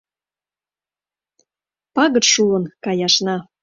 Пагыт шуын каяшна